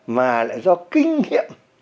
mà lại do kinh nghiệm